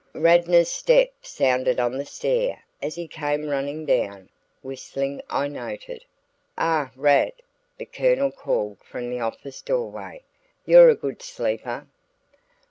Radnor's step sounded on the stair as he came running down whistling I noted. "Ah Rad," the Colonel called from the office doorway. "You're a good sleeper."